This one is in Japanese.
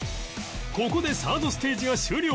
ここでサードステージが終了